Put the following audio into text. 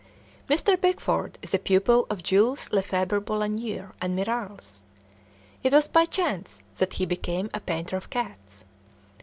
Mr. Bickford is a pupil of Jules Lefèbvre Boulanger and Miralles. It was by chance that he became a painter of cats.